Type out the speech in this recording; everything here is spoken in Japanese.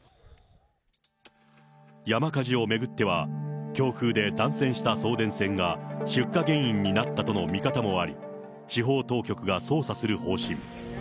山火事を巡っては、強風で断線した送電線が出火原因になったとの見方もあり、司法当局が捜査する方針。